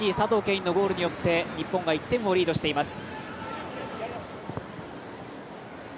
允のゴールによって日本が１点をリードしています。